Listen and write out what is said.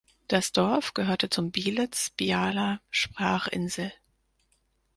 Das Dorf gehörte zum Bielitz-Bialaer Sprachinsel.